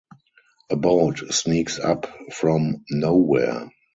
A boat sneaks up from nowhere.